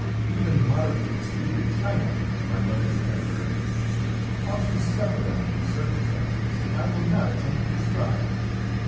Even moderately disfigured china is my mother's pet aversion. How she suffered under these circumstances I will not attempt to describe.